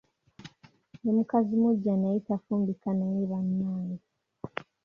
Ne mukazi muggya naye tafumbika naye bannange!